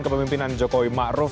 kepemimpinan jokowi ma'ruf